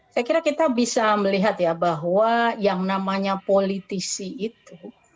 saya kira kita bisa melihat ya bahwa yang namanya politisi itu